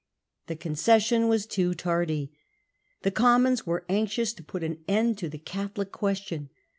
The concession was too tardy. The Commons were anxious to put an end to the Catholic Question.